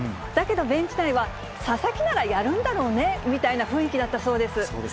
だけどベンチ内は、佐々木ならやるんだろうねみたいな雰囲気だったそうです。